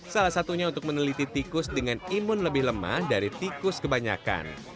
salah satunya untuk meneliti tikus dengan imun lebih lemah dari tikus kebanyakan